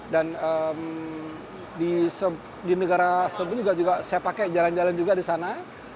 dan di negara sebelumnya juga saya pakai jalan jalan juga di sana